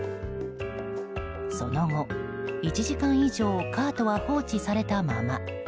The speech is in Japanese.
その後、１時間以上カートは放置されたまま。